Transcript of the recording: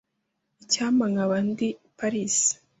Icyampa nkaba ndi i Paris.